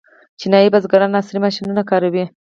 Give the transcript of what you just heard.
چینايي بزګران عصري ماشینونه کاروي.